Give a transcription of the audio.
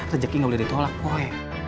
rezeki gak boleh ditolak puy